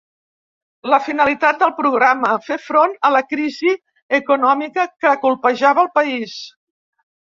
La finalitat del programa: fer front a la crisi econòmica que colpejava el país.